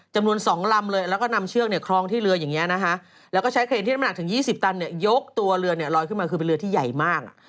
จำนวน๒ลำเลยแล้วก็นำเชือกเนี่ยครองที่เรืออย่างนี้นะคะแล้วก็ใช้เครนที่น้ำหนักถึง๒๐ตันเนี่ยยกตัวเรือเนี่ยลอยขึ้นมาคือเป็นเรือที่ใหญ่มาก